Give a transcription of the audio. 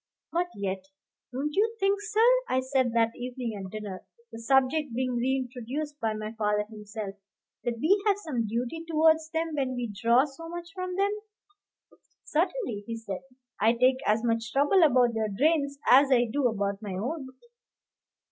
But yet "Don't you think, sir," I said that evening at dinner, the subject being reintroduced by my father himself, "that we have some duty towards them when we draw so much from them?" "Certainly," he said; "I take as much trouble about their drains as I do about my own."